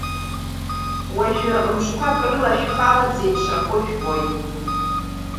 Уажәы мшқәак рыла шәхала дзеиԥшрахо жәбоит.